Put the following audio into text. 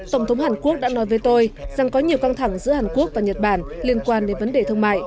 tổng thống hàn quốc đã nói với tôi rằng có nhiều căng thẳng giữa hàn quốc và nhật bản liên quan đến vấn đề thương mại